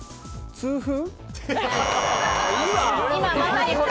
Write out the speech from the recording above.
痛風。